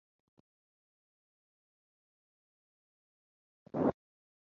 The mountain is part of the Hurrungane range.